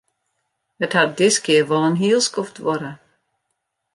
It hat diskear wol in hiel skoft duorre.